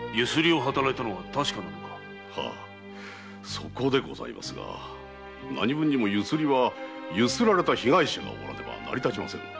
そこですが何分にも強請は強請られた被害者がおらねば成り立ちません。